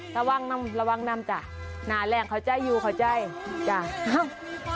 ระวังนำระวังน้ำจ้ะหน่าแรงเข้าใจอยู่เข้าใจจ้ะเอ้า